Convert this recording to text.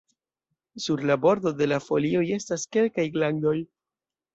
Sur la bordo de la folioj estas kelkaj glandoj.